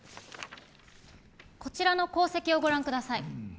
こちらの功績をご覧下さい。